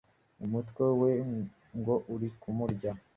umutwe we ngo uri kumurya